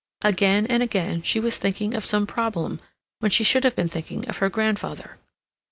Again and again she was thinking of some problem when she should have been thinking of her grandfather.